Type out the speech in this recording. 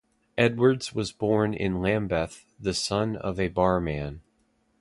Edwards was born in Lambeth, the son of a barman.